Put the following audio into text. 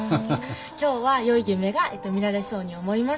今日はよい夢が見られそうに思います」。